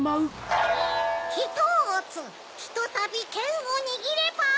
ひとつひとたびけんをにぎれば。